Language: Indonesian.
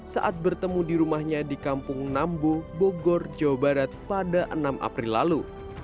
saat bertemu di rumahnya di kampung nambo bogor jawa barat pada enam april lalu